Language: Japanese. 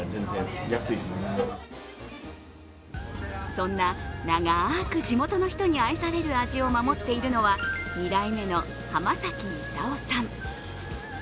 そんな長く地元の人に愛される味を守っているのは２代目の浜崎功さん。